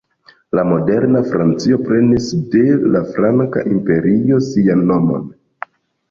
La moderna Francio prenis de la Franka Imperio sian nomon.